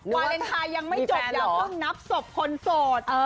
วาเลนไทยยังไม่จบอย่าเพิ่งนับศพคนโสด